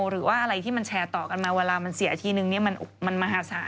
หรือว่าอะไรที่มันแชร์ต่อกันมาเวลามันเสียทีนึงมันมหาศาล